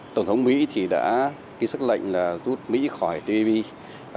tổng thống mỹ đã ký sắc lệnh rút mỹ khỏi tpp